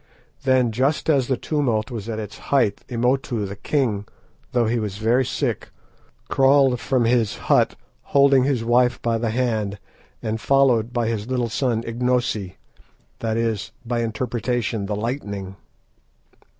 Then just as the tumult was at its height Imotu the king, though he was very sick, crawled from his hut holding his wife by the hand, and followed by his little son Ignosi—that is, by interpretation, the Lightning.